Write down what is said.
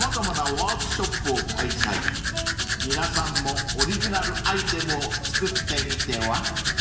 ［皆さんもオリジナルアイテムをつくってみては？］